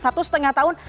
satu setengah tahun